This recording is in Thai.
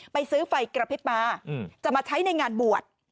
ไปซื้อไฟกระพริบมาจะมาใช้ในงานบวช